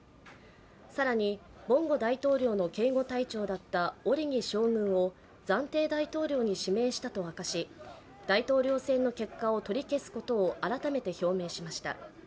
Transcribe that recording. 更にボンゴ大統領の警護隊長だったオリギ将軍を暫定大統領に指名したと明かし大統領選の結果を取り消すことを改めて表明しました。